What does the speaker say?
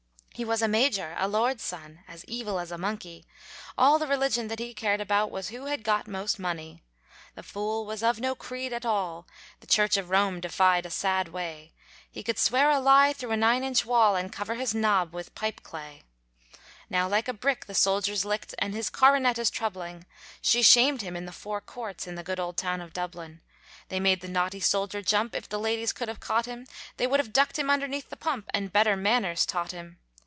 He was a Major, a Lord's son, As evil as a monkey, All the religion that he cared about, Was who had got most money; The fool was of no creed at all, The Church of Rome defied a sad way, He could swear a lie thro' a nine inch wall, And cover his nob with pipeclay. Now like a brick the soldier's licked, And his coronet is troubling, She shamed him in the Four Courts, In the good old town of Dublin; They made the naughty soldier jump, If the ladies could have caught him, They would have ducked him underneath the pump, And better manners taught him.